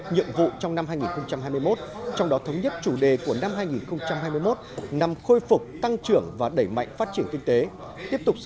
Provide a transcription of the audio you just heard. nhiệm vụ trong năm hai nghìn hai mươi một trong đó thống nhất chủ đề của năm hai nghìn hai mươi một nhằm khôi phục tăng trưởng và đẩy mạnh phát triển kinh tế tiếp tục